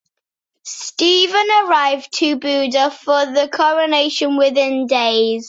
Stephen arrived to Buda for the coronation within days.